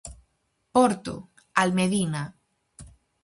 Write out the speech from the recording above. Porto: Almedina.